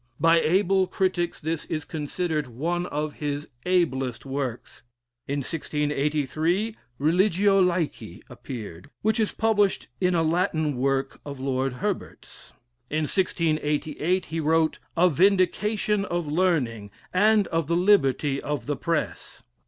By able critics this is considered one of his ablest works in 1683, "Religio Laici" appeared, which is published frum a Latin work of Lord Herbert's. In 1688 he wrote "A Vindication of Learning, and of the Liberty of the Press."